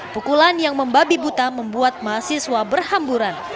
pukulan yang membabi buta membuat mahasiswa berhamburan